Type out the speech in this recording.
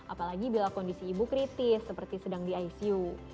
apalagi bila kondisi ibu kritis seperti sedang di icu